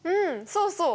そうそう。